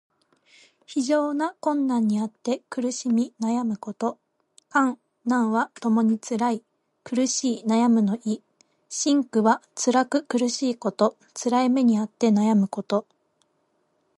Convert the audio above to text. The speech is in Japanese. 非常な困難にあって苦しみ悩むこと。「艱」「難」はともにつらい、苦しい、悩むの意。「辛苦」はつらく苦しいこと。つらい目にあって悩むこと。